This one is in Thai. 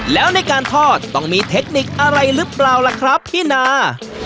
แล้วในการทอดต้องมีเทคนิคอะไรหรือเปล่าล่ะครับพี่นา